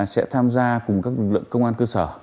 sẽ tham gia cùng các lực lượng công an cơ sở